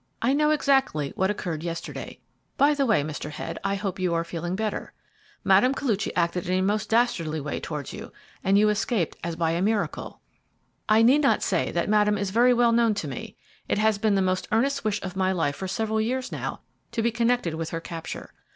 "I know exactly what occurred yesterday. By the way, Mr. Head, I hope you are feeling better. Mme. Koluchy acted in a most dastardly way towards you, and you escaped as by a miracle. I need not say that Madame is very well known to me. It has been the most earnest wish of my life for several years now to be connected with her capture.